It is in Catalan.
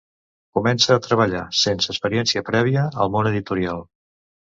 Comença a treballar, sense experiència prèvia, al món editorial.